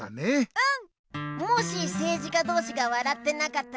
うん！